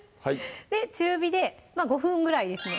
中火で５分ぐらいですね